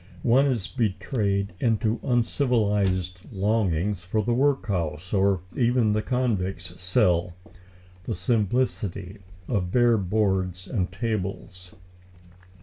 One is betrayed into uncivilised longings for the workhouse, or even the convict's cell, the simplicity of bare boards and tables!